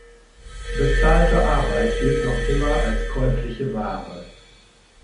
Bezahlte Arbeit gilt noch immer als käufliche Ware.